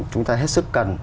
chúng ta hết sức cần